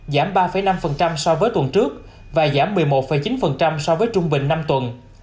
giảm ba năm so với tuần trước và giảm một mươi một chín so với trung bình năm tuần